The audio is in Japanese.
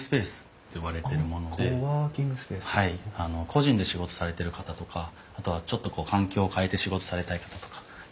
個人で仕事をされてる方とかあとはちょっと環境を変えて仕事されたい方とかに利用いただいてます。